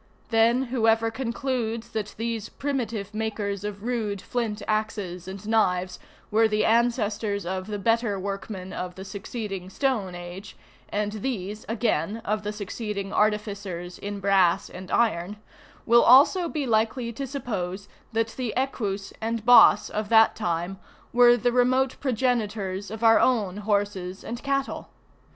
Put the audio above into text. Then, whoever concludes that these primitive makers of rude flint axes and knives were the ancestors of the better workmen of the succeeding stone age, and these again of the succeeding artificers in brass and iron, will also he likely to suppose that the Equus and Bos of that time were the remote progenitors of our own horses and cattle.